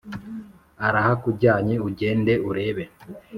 arahakujyanye ujyende urebe .